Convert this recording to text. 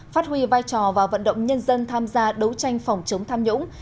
phát huy vai trò và vận động nhân dân tham gia đấu tranh phòng chống tham nhũng